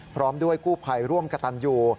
พร้อมด้วยกู้ภัยร่วมกระตันอยู่